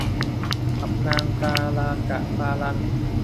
กับนางตาลากะปาลัน